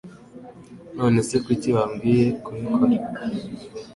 None se kuki wabwiye kubikora?